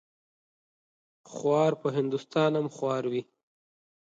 خوار په هندوستان هم خوار وي.